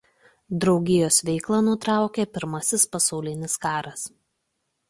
Draugijos veiklą nutraukė Pirmasis pasaulinis karas.